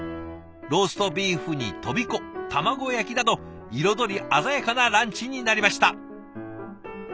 ローストビーフにとびこ卵焼きなど彩り鮮やかなランチになりました。